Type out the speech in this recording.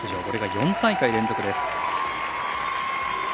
これが４大会連続です。